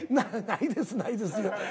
ないですないです。